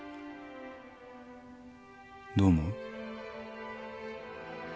どう思う？